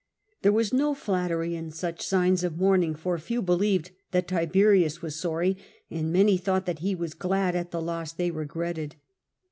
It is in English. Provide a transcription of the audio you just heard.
There was no flattery in such signs of mourning, for few believed that Tiberius was sorry, and many thought that he was glad at the loss that they regretted.